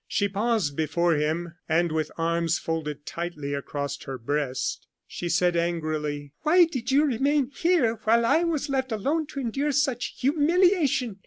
She paused before him, and with arms folded tightly across her breast, she said, angrily: "Why did you remain here while I was left alone to endure such humiliation?